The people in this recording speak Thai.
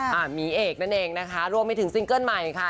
หมีเอกนั่นเองนะคะรวมไปถึงซิงเกิ้ลใหม่ค่ะ